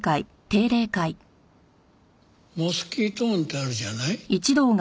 モスキート音ってあるじゃない？